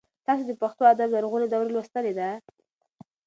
تاسو د پښتو ادب لرغونې دوره لوستلې ده؟